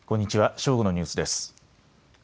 正午のニュースです。